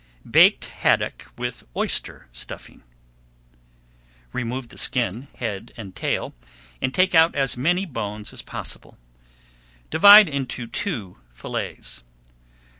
BAKED HADDOCK WITH OYSTER STUFFING Remove the skin, head, and tail, and take out as many bones as possible. Divide into two fillets.